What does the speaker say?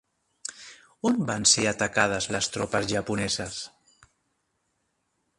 On van ser atacades les tropes japoneses?